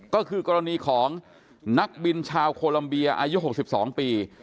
ก็คือกรณีของนักบินชาวโคลัมเบียอายุ๖๒ปี